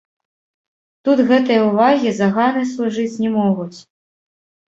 Тут гэтыя ўвагі заганай служыць не могуць.